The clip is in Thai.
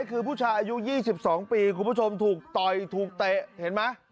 คือผู้ชายอายุ๒๒ปีคุณผู้ชมถูกต่อยถูกเตะเห็นไหม